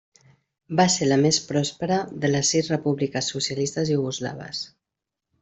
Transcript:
Va ser la més pròspera de les sis repúbliques socialistes iugoslaves.